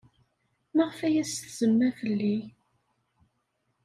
Maɣef ay as-tsemma fell-i?